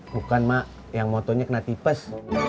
bukan mak yang motonya kena tipes